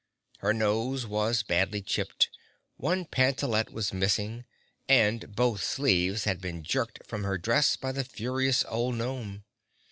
Her nose was badly chipped, one pantalette was missing, and both sleeves had been jerked from her dress by the furious old gnome.